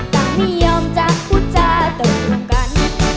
แต่ไม่ยอมจะพูดจ้าเต่ากัน